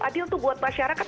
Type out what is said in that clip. adil tuh buat masyarakat